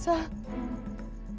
saya mau berawat tutup tulangnya